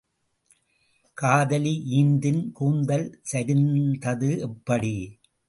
காதலி ஈந்தின் கூந்தல் சரிந்தது எப்படி?